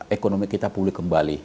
ekonomi kita pulih kembali